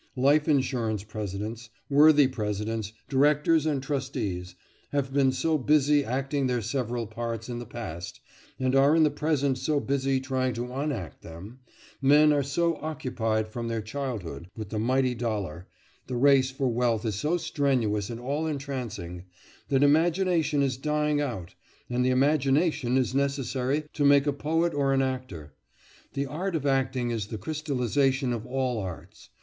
Life insurance presidents worthy presidents, directors, and trustees have been so busy acting their several parts in the past, and are in the present so busy trying to unact them, men are so occupied from their childhood with the mighty dollar, the race for wealth is so strenuous and all entrancing, that imagination is dying out; and imagination is necessary to make a poet or an actor; the art of acting is the crystallisation of all arts.